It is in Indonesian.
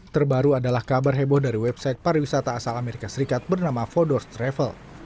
terbaru adalah kabar heboh dari website pariwisata asal amerika serikat bernama fodors travel